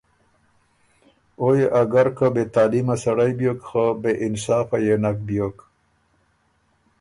او يې اګر که بې تعلیمه سړئ بیوک خه بې انصافه يې نک بیوک۔